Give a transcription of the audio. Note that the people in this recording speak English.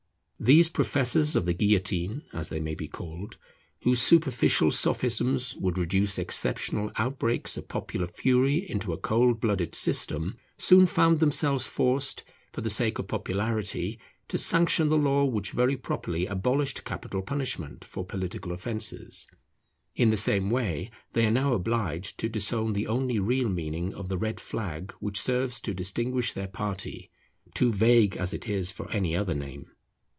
These Professors of the Guillotine, as they may be called, whose superficial sophisms would reduce exceptional outbreaks of popular fury into a cold blooded system, soon found themselves forced, for the sake of popularity, to sanction the law which very properly abolished capital punishment for political offences. In the same way they are now obliged to disown the only real meaning of the red flag which serves to distinguish their party, too vague as it is for any other name.